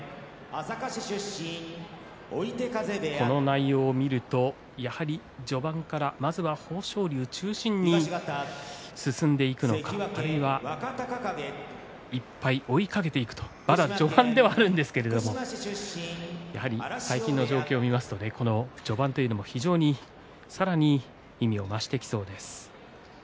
この内容を見るとやはり序盤からまずは豊昇龍を中心に進んでいくのかあるいは１敗、追いかけていくのか、まだ序盤ではあるんですけどやはり最近の状況見ますと序盤というのも非常にさらに意味を増してきそうです。